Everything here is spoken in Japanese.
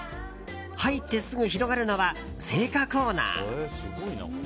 入ってすぐ広がるのは青果コーナー。